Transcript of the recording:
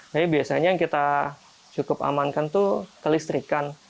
tapi biasanya yang kita cukup amankan itu kelistrikan